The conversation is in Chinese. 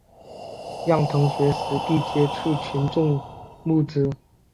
让同学实地接触群众募资